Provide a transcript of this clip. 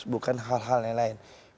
bukan hal hal yang lain